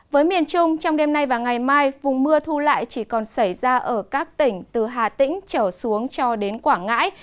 với miền trung trong đêm nay và ngày mai vùng mưa thu lại chỉ còn xảy ra ở các tỉnh từ hà tĩnh trở xuống cho đến quảng ngãi